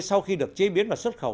sau khi được chế biến và xuất khẩu